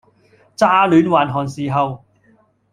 乍煖還寒時候，